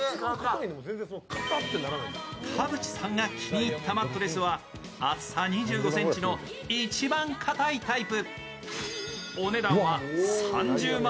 田渕さんが気に入ったマットレスは厚さ２５ｃｍの一番かたいタイプ。